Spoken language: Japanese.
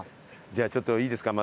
じゃあちょっといいですか？